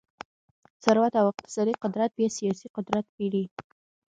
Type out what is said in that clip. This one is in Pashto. ثروت او اقتصادي قدرت بیا سیاسي قدرت پېري.